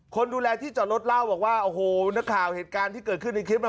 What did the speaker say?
คนดูแลที่จอดรถเล่าบอกว่าโอ้โหนักข่าวเหตุการณ์ที่เกิดขึ้นในคลิปน่ะ